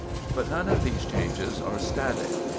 But none of these changes are static.